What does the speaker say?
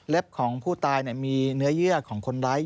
ของผู้ตายมีเนื้อเยื่อของคนร้าย